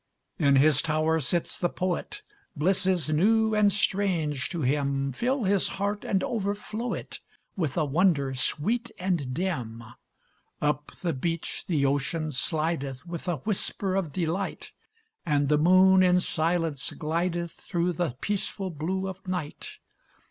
In his tower sits the poet, Blisses new and strange to him Fill his heart and overflow it With a wonder sweet and dim. Up the beach the ocean slideth With a whisper of delight, And the noon in silence glideth Through the peaceful blue of night.